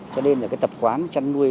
cho nên là cái tập quán chăn nuôi